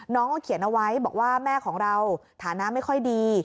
น้องก็เขียนเอาไว้บอกว่าแม่ของเราฐานะไม่ค่อยดี